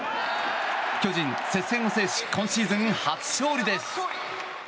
巨人、接戦を制し今シーズン初勝利です。